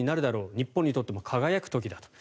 日本にとっても輝く時だと。